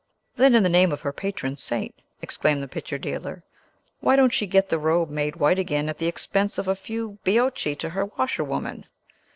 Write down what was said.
"Then, in the name of her patron saint," exclaimed the picture dealer, "why don't she get the robe made white again at the expense of a few baiocchi to her washerwoman?